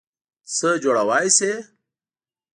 څه جوړوئ شی؟